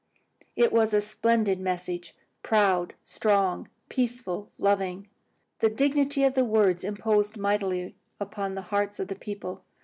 '" It was a splendid message: proud, strong, peaceful, loving. The dignity of the words imposed mightily upon the hearts of the people.